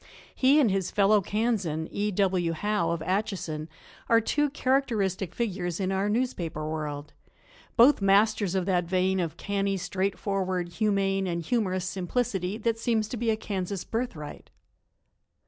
He and his fellow Kansan, E. W. Howe of Atchison, are two characteristic figures in our newspaper world, both masters of that vein of canny, straightforward, humane and humorous simplicity that seems to be a Kansas birthright.